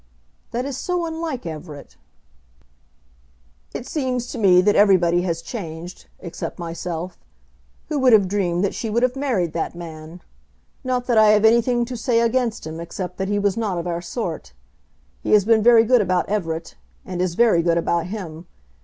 "That is so unlike Everett." "It seems to me that everybody has changed, except myself. Who would have dreamed that she would have married that man? Not that I have anything to say against him except that he was not of our sort. He has been very good about Everett, and is very good about him.